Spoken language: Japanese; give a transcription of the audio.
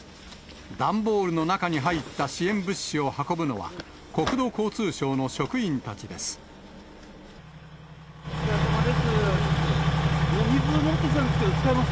段ボールの中に入った支援物資を運ぶのは、国土交通省の職員たちお疲れさまです。